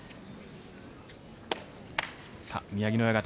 宮城野親方